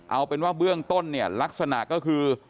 เอาเป็นว่าเบื้องต้นเนี่ยลักษณะก็คือ